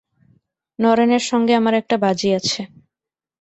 নরেনের সঙ্গে আমার একটা বাজি আছে।